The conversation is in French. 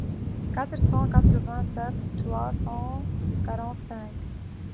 quatre cent quatre-vingt-sept trois cent quarante-cinq.